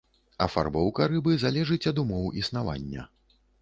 Афарбоўка рыбы залежыць ад умоў існавання.